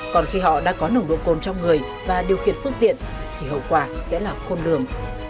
còn khi họ đã có nồng độ cồn trong người và điều khiển phương tiện thì hậu quả sẽ là khôn lường